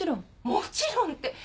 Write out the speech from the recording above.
もちろんって。